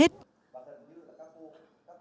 hội thảo thầy văn như cương